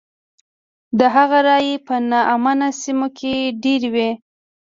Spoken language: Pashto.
د هغه رایې په نا امنه سیمو کې ډېرې وې.